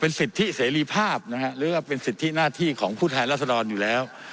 สิทธิเสรีภาพนะฮะหรือว่าเป็นสิทธิหน้าที่ของผู้แทนรัศดรอยู่แล้ว